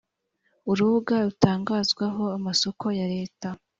urubuga rutangazwaho amasoko ya Leta